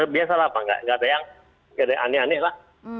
biasa lah pak tidak ada yang aneh aneh lah